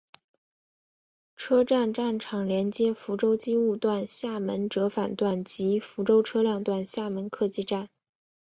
车站站场连接福州机务段厦门折返段及福州车辆段厦门客技站。